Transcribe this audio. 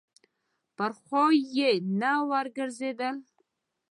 پر خوا یې نه یې ورګرځېدل.